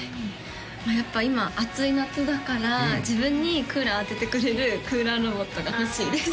やっぱ今暑い夏だから自分にクーラー当ててくれるクーラーロボットが欲しいです